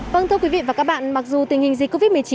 vâng thưa quý vị và các bạn mặc dù tình hình dịch covid một mươi chín